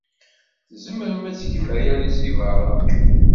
Tzemrem ad d-tgem aya seg beṛṛa.